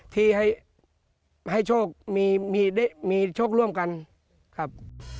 ที่ให้โชคร่วมกันครับ